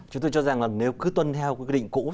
chúng tôi cho rằng là nếu cứ tuân theo quy định cũ